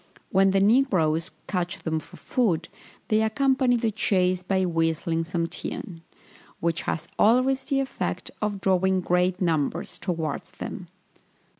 When the negroes catch them for food, they accompany the chase by whistling some tune, which has always the effect of drawing great numbers towards them.